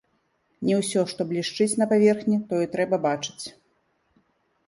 Не ўсё, што блішчыць на паверхні, то і трэба бачыць.